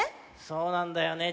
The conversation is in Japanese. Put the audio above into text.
そうなんだよね。